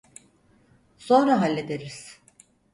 Sonra hallederiz.